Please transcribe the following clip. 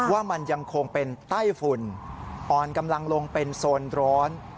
ว่ามันยังคงเป็นไต้ฝุ่นอ่อนกำลังลงเป็นโซนร้อน